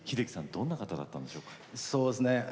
どんな方だったんでしょうか？